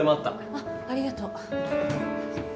あっありがとう